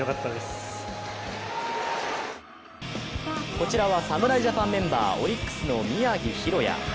こちらは侍ジャパンメンバーオリックスの宮城大弥。